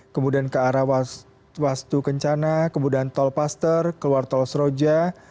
kemudian ke arah wastu kencana kemudian tol paster keluar tol seroja